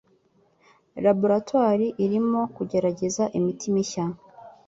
Laboratoire irimo kugerageza imiti mishya.